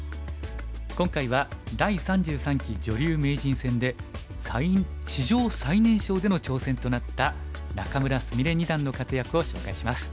今回は第３３期女流名人戦で史上最年少での挑戦となった仲邑菫二段の活躍を紹介します。